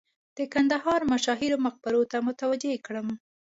د کندهار مشاهیرو مقبرو ته متوجه کړم.